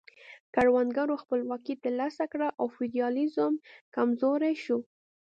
کروندګرو خپلواکي ترلاسه کړه او فیوډالیزم کمزوری شو.